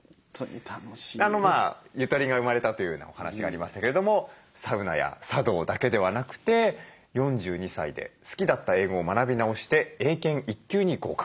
ゆとりが生まれたというようなお話がありましたけれどもサウナや茶道だけではなくて４２歳で好きだった英語を学び直して英検１級に合格。